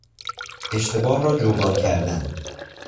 اشتباه را جبران کردن